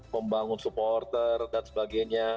membangun supporter dan sebagainya